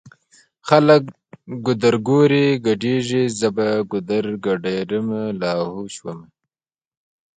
خلکه ګودرګوري ګډيږی زه بې ګودره ګډيدمه لا هو شومه